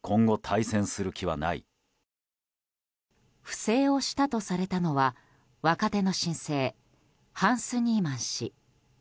不正をしたとされたのは若手の新星ハンス・ニーマン氏。